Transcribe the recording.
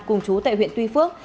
cùng chú tại huyện tuy phước